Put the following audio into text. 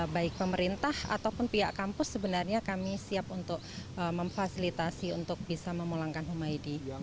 baik pemerintah ataupun pihak kampus sebenarnya kami siap untuk memfasilitasi untuk bisa memulangkan humaydi